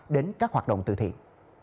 đến các hoạt động từ thiện